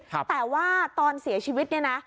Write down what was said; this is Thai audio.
แต่ว่าตอนเสียชีวิตเนี่ยนะ